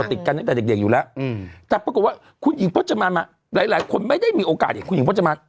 แต่ปรากฏว่าคุณหญิงโภจะมาหลายคนไม่ได้มีโอกาสให้คุณหญิงโภจะมา